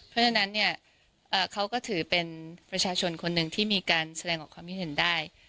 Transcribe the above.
เพราะฉะนั้นเนี่ยเขาก็ถือเป็นประชาชนคนหนึ่งที่มีการแสดงออกความคิดเห็นได้